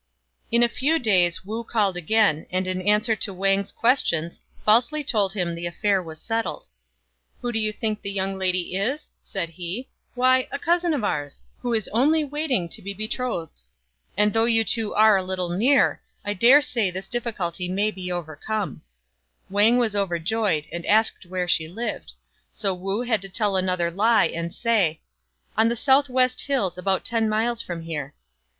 In a few days Wu called again, and in answer to Wang's questions falsely told him that the affair was settled. " Who do you think the young lady is ?" said he. " Why, a cousin of ours, who is only waiting to be betrothed ; and though you two are a little near, 3 I daresay the circumstances of the case will be allowed to overrule this objection." Wang was overjoyed, and asked where she lived ; so Wu had to tell another lie, and say, " On the south west hills, about ten miles from here."